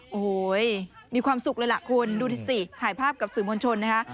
โอ้โหมีความสุขเลยล่ะคุณดูสิถ่ายภาพกับสื่อมวลชนนะคะ